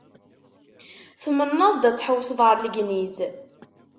Tmennaḍ-d ad tḥewwseḍ ar Legniz.